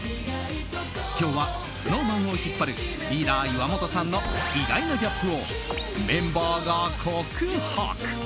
今日はＳｎｏｗＭａｎを引っ張るリーダー岩本さんの意外なギャップをメンバーが告白。